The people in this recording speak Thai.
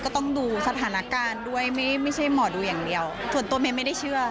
ต้องดูสถานการณ์ด้วยไม่ใช่หมอดูอย่างเดียวส่วนตัวเมย์ไม่ได้เชื่อ